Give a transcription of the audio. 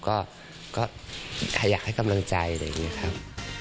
ก็ถ้าอยากให้กำลังใจอะไรอย่างนี้ครับ